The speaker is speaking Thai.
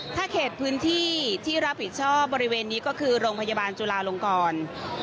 ถ้าเขตพื้นที่ที่รับผิดชอบบริเวณนี้ก็คือโรงพยาบาลจุลาลงกร